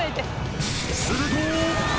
［すると］